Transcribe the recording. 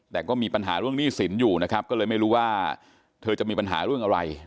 แต่ก็มีปัญหาเรื่องหนี้สินอยู่นะครับก็เลยไม่รู้ว่าเธอจะมีปัญหาเรื่องอะไร